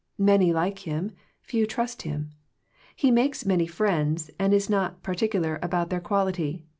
Many lilce him; few quite trust him. He makes many friends, and is not particular about their quality.